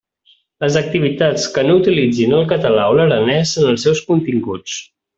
Les activitats que no utilitzin el català o l'aranès en els seus continguts.